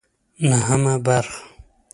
نهمه برخه